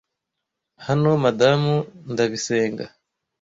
hano madamu ndabisenga